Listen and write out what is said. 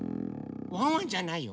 ワンワンじゃないよ。